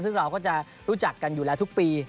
ซึ่งเราก็จะรู้จักกันอยู่แล้วทุกปี